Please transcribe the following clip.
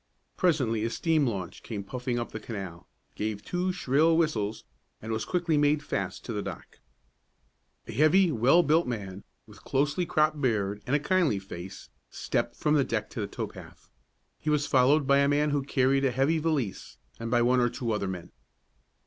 Presently a steam launch came puffing up the canal, gave two shrill whistles, and was quickly made fast to the dock. A heavy, well built man, with a closely cropped beard and a kindly face, stepped from the deck to the tow path. He was followed by a man who carried a heavy valise, and by one or two other men.